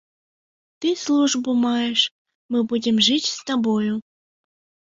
Ты службу маеш, мы будзем жыць з табою.